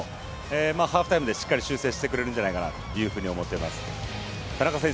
ハーフタイムでしっかり修正してくれるんじゃないかなと思っています。